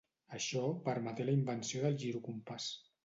Això permeté la invenció del girocompàs.